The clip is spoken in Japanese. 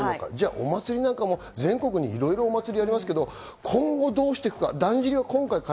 お祭りなども全国にいろいろありますが、今後どうしていくのか。